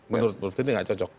menurut anda enggak cocok